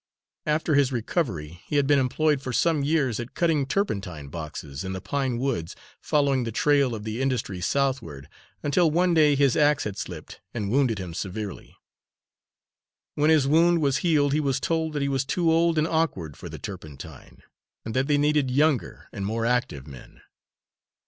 After his recovery, he had been employed for some years at cutting turpentine boxes in the pine woods, following the trail of the industry southward, until one day his axe had slipped and wounded him severely. When his wound was healed he was told that he was too old and awkward for the turpentine, and that they needed younger and more active men.